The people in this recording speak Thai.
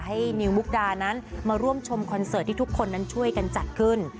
นิวมุกดานั้นมาร่วมชมคอนเสิร์ตที่ทุกคนนั้นช่วยกันจัดขึ้น